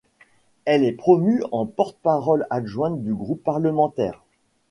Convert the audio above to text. Elle est promue en porte-parole adjointe du groupe parlementaire.